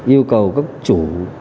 yêu cầu các chủ